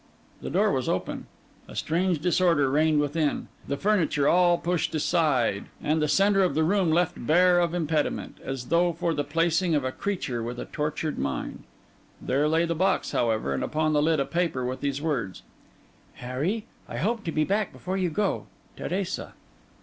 The door was open; a strange disorder reigned within; the furniture all pushed aside, and the centre of the room left bare of impediment, as though for the pacing of a creature with a tortured mind. There lay the box, however, and upon the lid a paper with these words: 'Harry, I hope to be back before you go. Teresa.